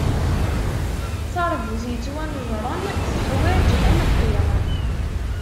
Taṛbut ittwanejṛen teḥwaǧ aneqqi.